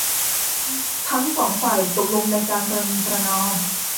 ทั้งสองฝ่ายตกลงในการประนีประนอม